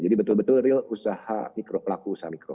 jadi betul betul real usaha mikro pelaku usaha mikro